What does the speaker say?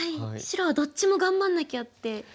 白はどっちも頑張んなきゃって。